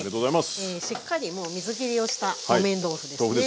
しっかりもう水きりをした木綿豆腐ですね。